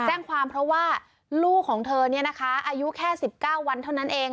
แจ้งความเพราะว่าลูกของเธอเนี่ยนะคะอายุแค่๑๙วันเท่านั้นเอง